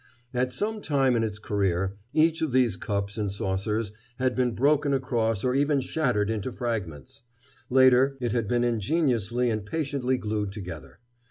At some time in its career each one of these cups and saucers had been broken across or even shattered into fragments. Later, it had been ingeniously and patiently glued together.